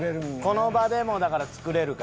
この場でもう作れるから。